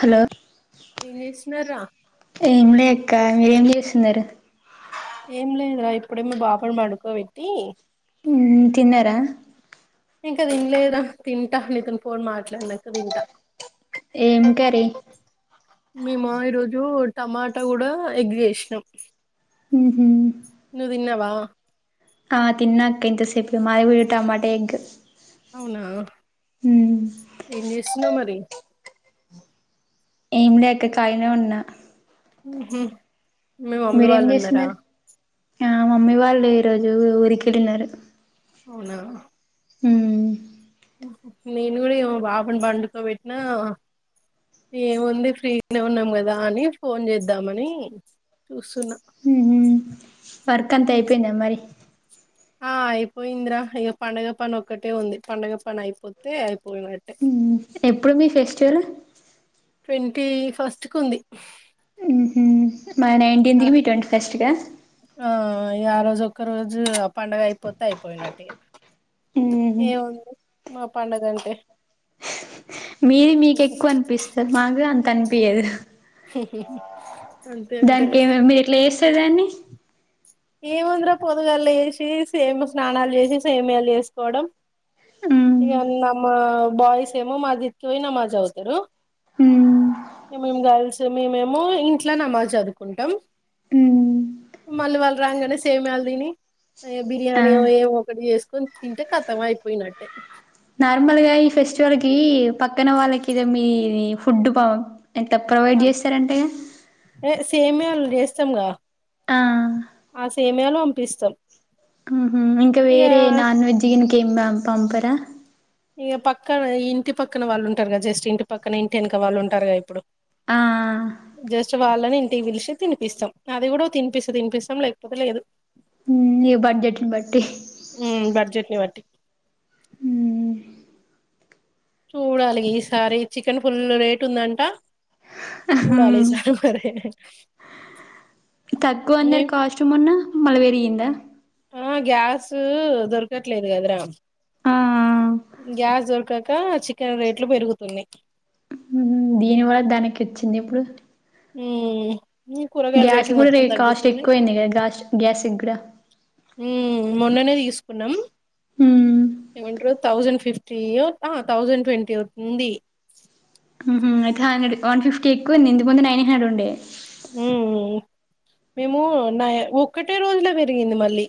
Hello నేను చేసినా రా కా మీరేం చేస్తున్నారు ఏం లేదురా ఇప్పుడే మ బాబుని పడుకోబెట్టి తిన్నారా ఇంక తినలేదా తింటా నితన్ పోన్ మాట్లాడినాక తింటా ఏం కర్రీ మేము ఈరోజు టమాటా కూడా ఎగ్ చేసినాం ఉహు ఆ ఆ తిన్నాక ఇంతసేపు మాది గుడి టమాట ఎగ్ అవునా మ్మ్ ఏం చేస్తున్నావు మరి ఏం లేక కాలీనే ఉన్నా ఉహు మీ మమ్మీ మీరేం వాళ్ళు ఉన్నారా చేస్తున్నారు ఆ మమ్మీ వాళ్ళె ఈరోజు ఊరికి ఎళ్ళినారు అవునా మ్ నేన్ గుడా ఇగమ బాబుని పండుకోబెట్టినా ఏముంది ఫ్రీనే ఉన్నాం కదా అని ఫోన్ చేద్దామని చూ మ్ హ్ వర్క్ అంతా ఉహు. అయిపోయిందా మరి ఆ అయిపోయింద్ర ఇగ పండుగ పని ఒక్కటే ఉంది పండుగ పని అయిపోతే అయిపోయినట్టే ఎప్పుడు మీ ఫెస్టివల్ ట్వంటీ ఫస్ట్ కుంది మ్ హ్ మా నైన్ంటీన్కి మీద్ ట్వంటీ ఫస్ట్గా ఇగ ఆ రోజు ఒక్క రోజు పండుగ అయిపోతే అయిపోయినట్టు ఇగ మ్మ్ ఏముంది మా పడుగ అంటే మీది మీక్ ఎక్కువ అనిపిస్త మాకు అంత అనిపయదు అంతే దానికి ఉంటది ఏం మీర్ ఎట్లా దాన్ని ఏముంద్ర పొదుగళ్ళ లేసి సేమ్ స్నానాలు చేసి సేమయాలు చేసుకోవడం ఉమ్ ఇగ బాయిస్ ఏమొ మాదికియి న మాజవుతరు ఉమ్ ఏమే గల్స్ మేమేమో ఇంట్ల నమాజ్ చదువ్కుంటం ఉమ్ రాంగనే సేమ్యాల్ తిని ఆ బిర్యానీ ఏమో ఒకటి చేసుకొని తింటే కతం అయిపోయినట్టే నార్మల్ గా ఈ ఫెస్టివల్ కీ పక్కన వాళ్ళకి ఇద మీది ఫుడ్ బాగుం ఎంత ప్రొవైడ్ చేస్తారంటగ సేమ్యాళ్ళు చేస్తాంగ ఆ సేమయాలో పంపిస్తాం ఇంకా ఇక వేరే నాన్ వెెజీ ఎం పంపరా ఇక పక్కన ఇంటి పక్కన వాళ్ళు ఉంటార్ కద జస్ట్ ఇంటి పక్కన ఇంటి ఎనక వాళ్ళు ఉంటారుగా ఇప్పుడు ఆ జష్ వాళ్ళని ఇంటికి పిలిషి తినిపిస్తం అది కూడా తినిపిస్తే తినిపిస్తాం లేకపోతే లేదు ఇ బడ్ జట్ని బట్టి వట్టి ఉమ్ చూడాలి ఈసారి చికెన్ పుల్ల్ రేటు ఉందంట ఉహు సూడాల్ ఇస రే తగ్కువ అన్నారు కాస్టమ్ ఉన్నా మలవేరింద ఆ గ్యాస్ దొరకట్లేదు కదరా ఆ గ్యాస్ దొరకక చికెన్ రేట్లు పెరుగుతున్నాయి ఉమ్ దీని వల్ల దానికి వచ్చింది ఇప్పుడు హ్మ్ గ్యాస్ కూడా రే కాస్ట్ ఎక్కువయింది కదాస్ట్ గ్యాస్ బ్రె ఉ మొన్ననే తీసుకున్నాం ఇంట్లో తౌసండ్ ఫిఫ్ థౌజండ్ ట్వంటీ అవుతుంది ఉ హు అయితే హండ్రడ్ వన్ ఫిఫ్టీ ఎక్కు ఉంది ఇకు ముందు నైన్ హండ్రెడ్ ఉండే హ్మ్ మేము న ఒక్కటే రోజుల పెరిగింది మళ్ళీ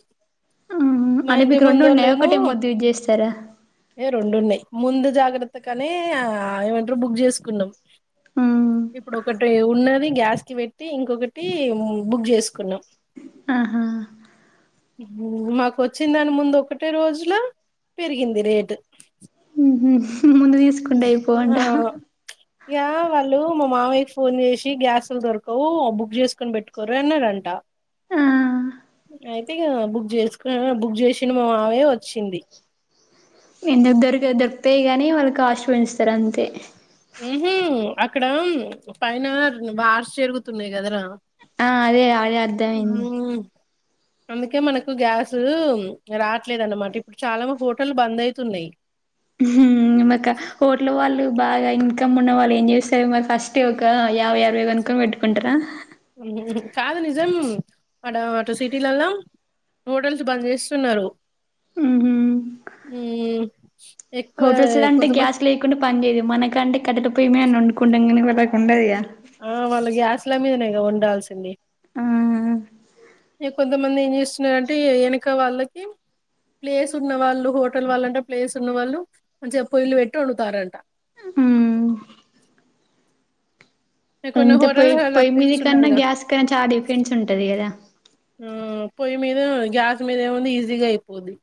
ఉ మా అంటే ఇంటి మీకు రెండుటయ ముందోళ్ళేమో ఒకటే ముద్దు చేస్తారా రెండున్నాయి ముందు జాగ్రత్తగానే ఏమంటారు బుక్ చేసుకున్నాం ఇప్పుడు ఒకటి ఉన్నది గ్యాస్ కి పెట్టి ఇంకొకటి బుక్ చేసుకున్నాం ఆహా వచ్చిన దాని ముందు ఒకటే రోజులా పెరిగింది రేటు హ్మ్ ముందు తీసుకుంట అయిపోవంట ఇక వాళ్ళు మా మావయ్యకి ఫోన్ చేసి గ్యాస్లు దొరకవు బుక్ చేసుకొని పెట్టుకోరు అన్నారంట ఆ అయితే ఇక బుక్ చేసుకు బుక్ చేసిన మా మావయ్య వచ్చింది ఎందుకు దొరిక దొరుకుతాయి గానీ వాళ్ళు కా ఆస్ట్ పెంచుస్తారు అంతే ఉహు అక్కడ పైన వార్స్ జరుగుతున్నాయి కదరా ఆ అదే అదే అర్థమయింది అందుకే మనకు గ్యాస్ రావట్లేదన్నమాట ఇప్పుడు చాలా హోటల్ బంద్ అయితున్నాయి హ్మ్ మకా హోటలు వాళ్ళు బాగా ఇన్కమ్ ఉన్న వాళ్ళు ఏం చేస్తారు మరి ఫస్ట్ ఒక యాభై అరవై కనుకొని పెట్టుకుంటార కాదు నిజం అటు అటు సిటీలలా హోటల్స్ బంద్ చేస్తున్నారు ఉహు హ్మ్ ఎక్కువ కొదమ పనిదు మనకంటే కట్ట ప పోయ్యమ అని అండుకుంటనిళ్ ఆ వాళ్ళ గ్యాస్ ఇట్ల మీదనే ఉండాల్సింది ఆ ఏ కొంతమంది ఎం చెస్ ంటే వెనక వాళ్ళకి ప్లేస్ ఉన్న వాళ్ళు హోటల్ వాళ్ళంటే ప్లేస్ ఉన్న వాళ్ళు మంచిగా పొయలు పెట్టి వండుతారంట కొన్ని అంటే హోటల్ పోయి అలా పోయి మీది ప్లేస్ కన్నా ఉండదుగా గ్యాస్ కన్నా చాలా డిఫెంట్స్ ఉంటది కదా ఆ పొయ్యి మీద గ్యాస్ మీద ఏముంది ఈజీగా అయిపోద్ది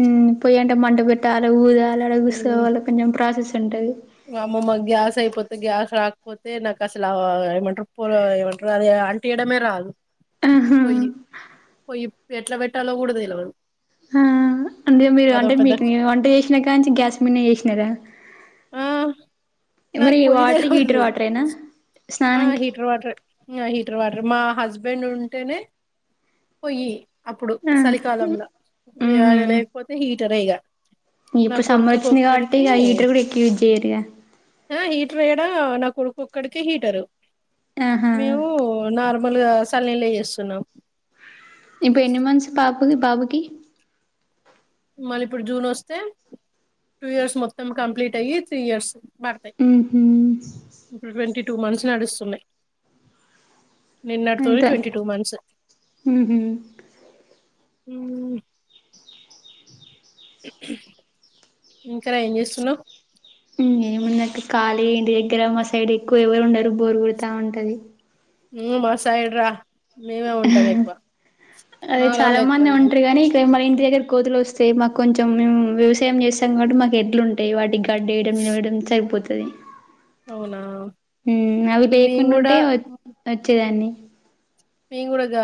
హ్మ్ పోయి అంట మంట పెట్టాల ఊద అగు వాళ్ళెం ప్రాస ఉంటది మాకు మా గ్యాస్ అయిపోతే గ్యాస్ రాకపోతే నాకు అసలు ఏమంటారు పొయ్యి ఏమంటారు అది అంటియడమే రాదు ఆహా పోయి పోయి ఎట్లా పెట్టాలో కూడా తెలవదు ఆ అంటే మీరు అదో అంటే పెద్ద మీకు వంట చేసినా కానుంచి గ్యాస్ మీదనే చేసినారా ఆ నాకు మరి పోయి వాటర్ తెలవదు హీటర్ వాటరేనా ఆ స్నానంకి హీటర్ వాటర్ ఆ హీటర్ వాటర్ మా హస్బెండ్ హస్బెండ్ ఉంటేనే పోయి అప్పుడు ఆ చలికాలంంలో ఉహు ఆయన లేకపోతే ఈ తెరయగా [unintelligible] ఇప్పుడు సమ్మర్ వచ్చింది కాబట్టి ఇక హీటర్ కూడా ఎక్కి తేరుగా ఆ హీటర్ యాడ నా కొడుకు ఒక్కడికి హీటరు ఆహా మేవు నార్ మలుగా చల్నిలే చేస్తున్నాం ఇప్పు ఎన్ని మనసు పాప బది బాబుకి మళ ఇప్పుడు జూన్ వస్తే టూ ఇయర్స్ మొత్తం కంప్లీట్ అయి త్రీ ఇయర్స్ పడతాయి హ్మ్మ్ ఇప్పుడు ట్వంటీ టూ మంత్స్ నడుస్తున్నాయి నిన్నడుతోటి అయితే ట్వంటీ టూ మంత్స్ ఉహు హమ్ ఇంకా రా ఏం చేస్తున్నావు్ ఏమున్నట్టు ఖాళీ ఇంటి దగ్గర మా సైడ్ ఎక్కువ ఎవరు ఉండరు బోరు కొడతా ఉంటది నువ్వు మా సైడ్ రా మేమే ఉంటాం ఎక్కువ అదే చాలా మాలోళ్ళు ఎక్కువ మంది ఇది ఉంటారు కానీ ఇక మరిీ ఇ దగ్గర కోతులు వస్తే మాకు కొంచెం వ్యవసాయం చేస్తా కాబటి మాకు ఎడ్లు ఉంటాయి వాటికి కడ్ేయడం నిలవడం సరిపోతుంది అవునా అరే [unintelligible] హ్మ్మ్ అవి మేము లేయకుండా కూడా ఉంటే వచ్చేదాన్ని అ [inaudible] మేము కూడా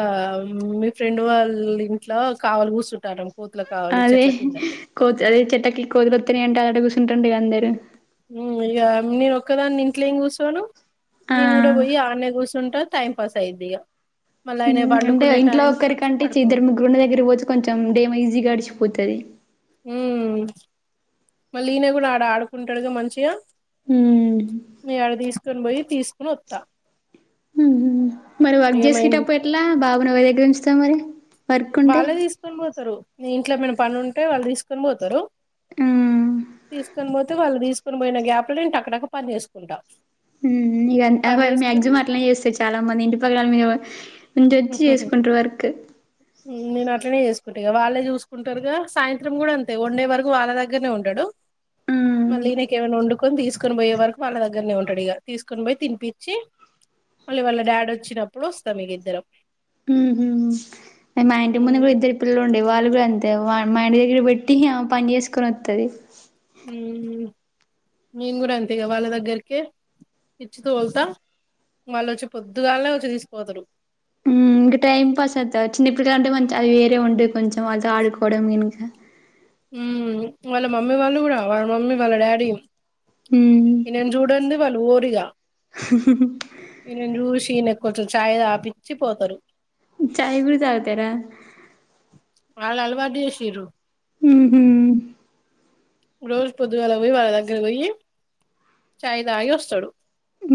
మీ ఫ్రెండ్ వాళ్ళ ఇంట్లో కావలు కూర్చుంటారు అదే కోతు అదే చెటకి కోతుబతని అంట [inaudible] [unintelligible] ఉ ఇగ అన్ని ఒకదాన్ని ఇంట్లో ఏం కూర్చోను ఆ నేను కూడా పోయాన్నే కూర్చుంటా ఉంటా టైమ్ పాస్ అయిద్దిక అంట ఇంట్ ఒ ఒకరికంటే ఇద్దరు పడుకోబెడతా ముగ్గురుండ దగ్గర పోచ్చి కొంచెం డేమో ఈజీ గడిచు పోతది ఉ మళ్ళీ ఈయన కూడా ఆడ ఆడుకుంటాడుగా మంచిగా ఉ నేను పోయి తీసుకుని వత్తా మరి వర్క్ ఇగ మా ఇన్ చేసుకేటప్పుడు ఎట్లా బాబు నీ ఎవరి దగ్గర ఉంచు చ్చా మరి వర్క్ ఉంటే వాళ్ళే తీసుకొని పోతారు ఇంట్లో మన పని ఉంటే వాళ్ళు తీసుకొని పోతారు హ్మ్ తీసుకొని పోతే వాళ్ళు తీసుకు కొని పోయిన గ్యాప్లు టక టక పని చేసుకుంటా ఇ అ పని చేసుకుని మ్యాక్సిమం అట్లానే చేస్తాారు చాలా మంది ఇంటి మళ్ళ దాని మీద ఇంటోచ్చి చేసుకుంటా వర్క్ నేను అట్లనే చేసుకుంటా వాళ్ళే చూసుకుంటారుగా సాయంత్రం కూడా అంతే వన్ండే వరకు వాళ్ళ దగ్గరనే ఉంటాడు హ్మ్ మళ్ళ ఈయనికి వండు కుని తీసుకొని పోయే వరకు వాళ్ళ దగ్గరనే ఉంటాడు ఇక తీసుకొని పోయి తినిించి మళ్ళీ వాళ్ళ డాడీ వచ్చినప్పుడు వస్తాం ఇ రు మా అంటి ముందు కూడా ఇద్దరు పిల్లలు ఉండ వాళ్ళు అంతే మా ఇంటి దగ్గర పెట్టి పని చేసుకొని వస్తది నేను కూడా ఎంతేగా వాళ్ళ దగ్గరికే ఇచ్చి తోలుతా వాళ్ళు వచ్చి పొద్దుగానే వచ్చి తీసుకోతారు ఇంకా టైం పాస్ అవుత చిన్నప్పటిక అంటే మంచి అది వేరే ఉంటది కొంచెం ఆడుకోవడం వెనుక ఉ వాళ్ళ మమ్మీ వాళ్ళు కూడా వాళ్ళ మమ్మీ వాళ్ళ డాడీ మ్మ్ ఇనం చూడంది వలు వోరు ఇగ ఈయనని చూసి ఈయన కొంచెం చాయ తాపించి పోతారు చాయ గుడు తాగుతార వాళ్లు అలవాటు చేసిరు ఉహు రోజు పొద్దుగాల పోయి వాళ్ళ దగ్గర పోయి చాయ్ తాగి వస్తాడు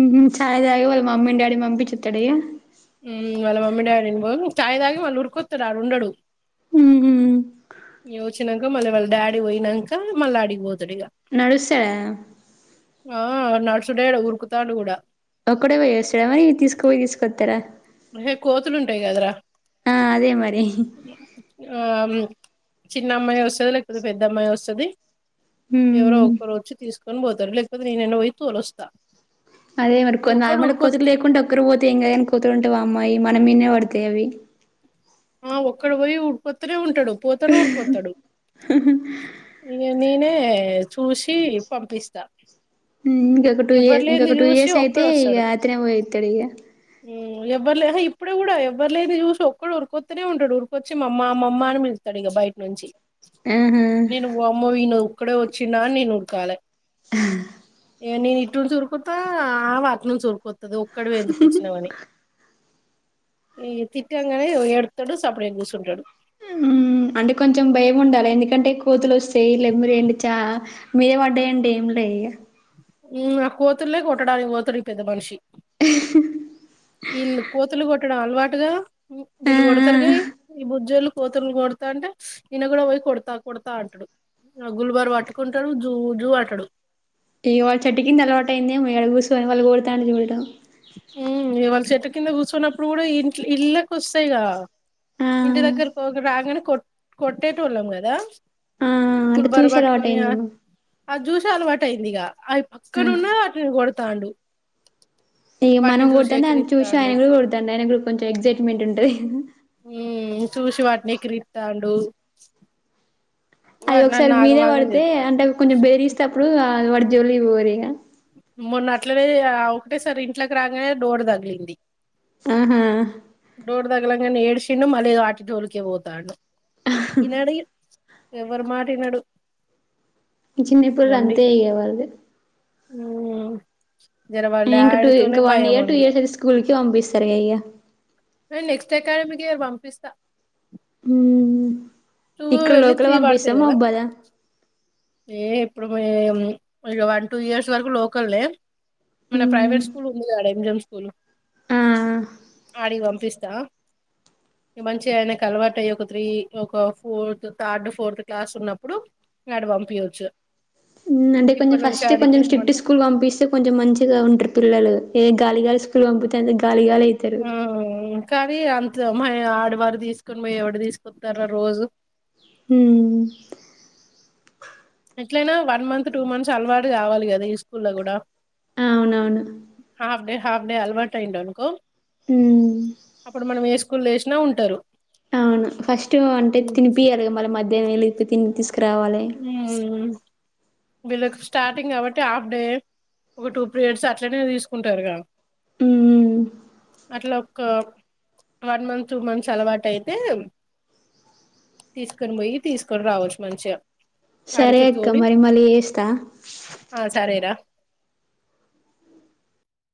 ఉహు చాయదాయి వాళ్ళ మమ్మీ డాడీ మమ్మీ నీ పంపించేత్తాడా ఇగ చాయి తాగి మళ్ళ ఉరుకొత్తాడు ఆడ ఉండడు ఉహు ఈ యోచ్చినాక మళ్ళీ వాళ్ళ డాడి పోయినాక మళ్ళ అడికి పోతు నడుస్తాడా నడుసేడు ఊరుకుతాడు కూడా ఒక్కడే పోయేస్తాడ మరి తీసుకుపోయి తీసుకొస్తారా [unintelligible] కోతులు ఉంటాయి కదరా ఆ అదే మరి ఆమ్ చిన్న అమ్మాయి వస్తది లేకపోతే పెద్ద అమ్మాయి వస్తది ఎవరో మ్మ్ ఒకరు వచ్చి తీసుకు కన్ పోతారు లేకపోతే నేనైనా పోయి తోలొస్తా అదే మరి కొన్ని ఒక్కడు నార్మల్ ఉరుకొ కోతలు లేకుంటడా ఒక్కరు పోతే ఏంకాదు కాని కోతులుంటే వా అమ్మాయి మన మీన్నే బడతాయి అవి ఆ ఒక్కడ పోయి ఉరుకొత్తనే ఉం టాడు పోతాడు ఊరికొత్తాడు ఇగ నేనే చూసి పంపిస్తా ఇంకొక టూ ఎవ్వరు ఇయర్స్ లేంది ఇంకొక టూ చూసి ఇయర్స్ అయితే ఇగ ఒక్కడొస్తాడు అతనే పోయెత్తాడు ఇగ ఇప్పుడు కూడా ఎవ్వరు లేన్ది చూసి ఒక్కడు ఉరికొత్తనే ఉంటాడు ఉరికొచ్చి మమ్మ మమ్మ అని పిలుత్తాడు ఇక బయట్‌నుంచి ఆహా నేను వామ్మో వీన్‌ నోర్‌ అక్కడే వచ్చిండ్డా నేను ఉరకాలే ఇగ నేను ఇటు నుంచి ఉరుకుతా ఆవ్ అట్నుం చి ఉరుకుత్ ఒక్కడవే ఎందుకొచ్చినావని ఈ తిట్టంగనే ఎడుత్తాడు సపరేట్ కూసుంటడు అంటే కొంచెం భయం ఉండాలి ఎందుకంటే కోతులు వొస్తు [inaudible] [unintelligible] ఇగ ఆ కోతుల్లే కొట్టడానికి పోతుడు ఈ పెద్ద మనిషి వీల్‌ కోతులు కొట్టడం అలవాటుగా ఆ వీళ్ళు ఆ. కొడతారు కా ఈ బుజ్జోలు కోతులు కొడతా ఉంటే ఈయన కూడా పోయి కొడతా కొడతా అంటాడు గుల్బరు పట్టుకుంటాడు జూ జూ అట్టడు ఇగ వాళ్ళ చెట్టు కింద అలవాటయిందేమో [unintelligible] హ్మ్ ఇవాళ చెట్టు కింద కూర్చున్నప్పుడు కూడా ఇ ఇళ్ళకి వస్తాయిగా ఆ. ఇంటి దగ్గర రాగానే కొట్ కొట్టేటోళ్ళం కదా ఆ అంటే గుల్బర్ చూసి పట్కొని అలవాటయిందేమో. ఆ జూస్ అలవాటు అయింది ఇగ అవి ఆ. పక్కన ఉన్న వాటిని కొడతాడు ఇక మనం కొట్తనే ఆయన చూసి ఎక్కిరిత్తాండు ఆయన కూడా కొట్తాండు ఆయన కూడా కొంచెం ఎగ్సైట్మెంట్ ఉంటయ్ ఉమ్ చూసి వాటిని ఎక్కిరిత్తాండు. అది వాడు ఒకసారి నన్ను మీదే ఆగమాగం బడితే చేస్తాడు అంటే కొంచెం బెదిస్తే అప్పుడు అ పడి జోలికి బోరింక మొన్న అట్లనే ఒకటే సారీ ఇంట్లోకి రాగానే డోర్ తగిలింది ఆహా డోర్దగ్లంగా ఏడ్సిండున మల్లి వాటి జాలికే బోతాండు ఈ [unintelligible] ఎవర్రు మాటినడు ఈ చిన్నప్పుల్లు అంతే ఇగ వాళ్ళది ఉమ్ జర వాళ్ళ ఇంక టూ డాడీతోనే ఇంకా వన్ భయం ఇయర్ టూ ఉంది ఇయర్స్ అయితే స్కూల్ కి పంపిస్తారు గా ఇగ నెక్స్ట్ అకాడమికే పంపిస్తా మ్మ్ టూ ఇక్కడ వెళ్ళి లోకల త్రీ పడతాయి పంపిస్తాము కదా అబ్బాదా ఏ ఇప్పుడు మేం వన్ టూ ఇయర్స్ వరకు లోకల్నే మన మ్మ్ ప్రైవేట్ స్కూల్ ఉంది కద ఆడ ఎం జమ్ స్కూల్ ఆ ఆడికి పంపిస్తా మంచిగా ఆయనకి అలవాటు అయి ఒక త్రీ ఒక ఫోర్ థర్డ్ ఫోర్త్ క్లాస్ ఉన్నప్పుడు ఇంకాడ పం పీయొచ్చు మ్మ్ అంటే కొంచెం ఫస్టే కొంచెం స్ట్రిక్ట్ స్కూల్కి పంపిస్తే కొంచెం మంచిగా ఉంట్రు పిల్లలు ఏ గాలిగస్ స్కూల్ పంపుతే అంత గాలి గాలి అయితరు ఆ కానీ అంత ఆడవాడు తీసుకని పోయి ఎవడు తీసుకొతారా రోజు హ్మ్ ఎట్లయినా వన్ మంత్ టూ మంత్స్ అలవాటు కావాలి కదా ఈ స్కూల్ లో కూడా అవునవును హాఫ్ డే హాఫ్ డ అలవాటయిందనుకో మ్మ్ అప్పుడు మనం ఏ స్కు లేేసినా ఉంటారు అవును ఫస్ట్ అంటే తినిపియాలగా మళ్ళ మధ్ ధ్యామెల్లి ఇప్ తినిపిస్ హ్మ్ వీళ్ళకి స్టార్టింగ్ కాబట్టి హాఫ్ డే ఒక టూ పీరియడ్స్ అట్లనే తీసుకుంటారు గా మ్మ్ అట్లా ఒక వన్ మంత్ టూ మంత్స్ అలవాటు అయితే తీసుకొని పోయి తీసుకొని రావచ్చు మంచిగా సరే ఆడికి అక్క తోలి మరి మళ్ళీ చేస్తా ఆ సరేరా